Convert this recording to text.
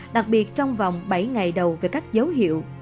đặc biệt trong vòng bảy ngày đầu về các dấu hiệu